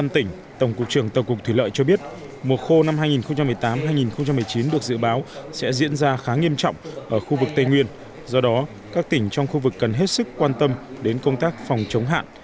tình hình cấp nước năm hai nghìn một mươi tám hai nghìn một mươi chín được dự báo sẽ diễn ra khá nghiêm trọng ở khu vực tây nguyên do đó các tỉnh trong khu vực cần hết sức quan tâm đến công tác phòng chống hạn